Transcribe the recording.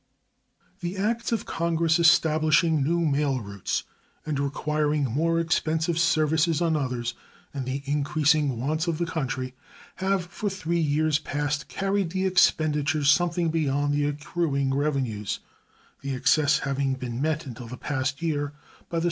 The acts of Congress establishing new mail routes and requiring more expensive services on others and the increasing wants of the country have for three years past carried the expenditures something beyond the accruing revenues, the excess having been met until the past year by the surplus which had previously accumulated.